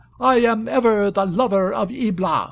I am ever the lover of Ibla."